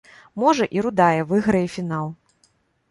Можа, і рудая выйграе фінал.